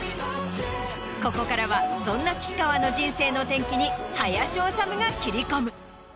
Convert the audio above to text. ここからはそんな吉川の人生の転機に林修が切り込む。